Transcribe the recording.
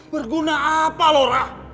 berguna apa lora